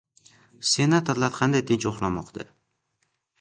Senatorlar qanday tinch uxlamoqda?